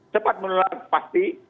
cepat menular pasti